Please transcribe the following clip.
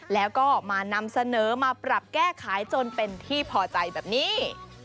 แล้วก็มานำเสนอมาปรับแก้ไขจนเป็นที่พอใจแบบนี้